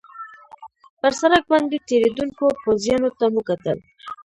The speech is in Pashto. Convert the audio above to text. پر سړک باندې تېرېدونکو پوځیانو ته مو کتل.